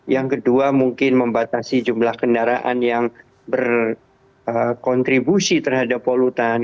yang kedua mungkin membatasi jumlah kendaraan yang berkontribusi terhadap polutan